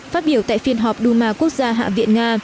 phát biểu tại phiên họp duma quốc gia hạ viện nga